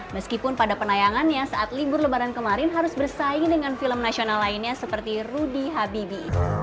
meskipun pada penayangannya saat libur lebaran kemarin harus bersaing dengan film nasional lainnya seperti rudy habibi